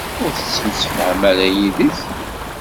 Ur tettemsefham ara yid-k?